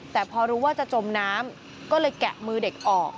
แต่พอรู้ว่าจะจมน้ำก็เลยแกะมือเด็กออก